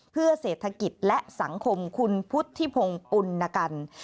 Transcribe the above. เพื่อเศรษฐกิจและสังคมคุณพุทธิพงศ์ปุณกัน